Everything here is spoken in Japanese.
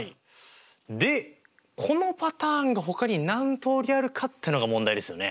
でこのパターンがほかに何通りあるかってのが問題ですよね。